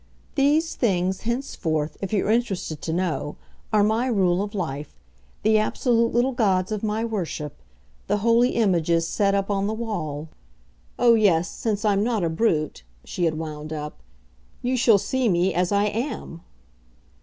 These things, henceforth, if you're interested to know, are my rule of life, the absolute little gods of my worship, the holy images set up on the wall. Oh yes, since I'm not a brute," she had wound up, "you shall see me as I AM!"